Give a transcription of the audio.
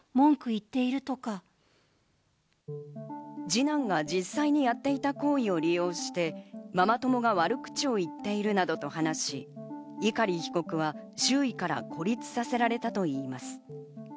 二男が実際にやってた行為を利用してママ友が悪口を言っているなどと話し、碇被告は周囲から孤立させられたといいます。